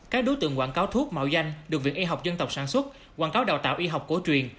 các đối tượng quảng cáo thuốc mạo danh được viện y học dân tộc sản xuất quảng cáo đào tạo y học cổ truyền